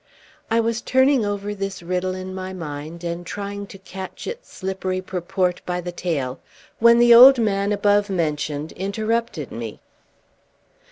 I was turning over this riddle in my mind, and trying to catch its slippery purport by the tail, when the old man above mentioned interrupted me.